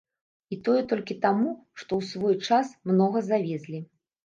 І тое толькі таму, што ў свой час многа завезлі.